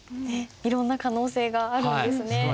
いろんな可能性があるんですね。